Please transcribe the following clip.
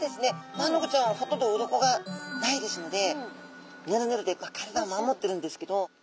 マアナゴちゃんはほとんどウロコがないですのでヌルヌルで体を守ってるんですけど。